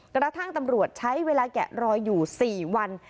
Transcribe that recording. กระทั่งตำรวจใช้เวลาแกะรอยอยู่๔วัน